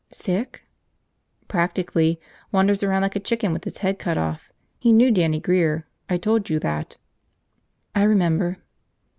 "Sick?" "Practically. Wanders around like a chicken with its head cut off. He knew Dannie Grear, I told you that." "I remember."